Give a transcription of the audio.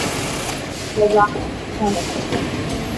故该原厂计画涂装仅能在模型中一窥其面目。